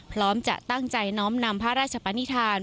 พร้อมจะตั้งใจน้อมนำพระราชปนิษฐาน